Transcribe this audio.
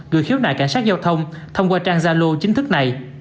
gửi khiếu nại cảnh sát giao thông thông qua trang gia lô chính thức này